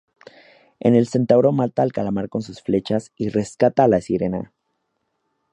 El centauro mata al calamar con sus flechas y rescata a la sirena.